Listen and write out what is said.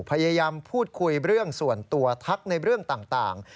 พยายามพูดคุยเรื่องส่วนตัวทักในเรื่องต่าง